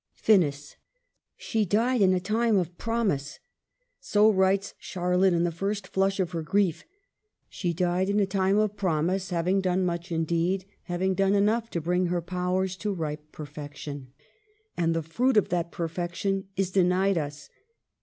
FINIS !" She died in a time of promise." *• So writes Charlotte, in the first flush of her grief. " She died in a time of promise ;" hav ing done much, indeed, having done enough to bring her powers to ripe perfection. And the fruit of that perfection is denied us.